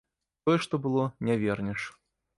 Тое, што было, не вернеш.